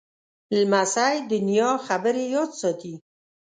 لمسی د نیا خبرې یاد ساتي.